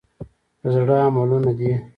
د زړه عملونه دي .